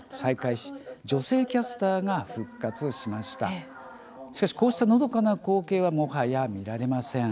しかし、こうしたのどかな光景はもはや見られません。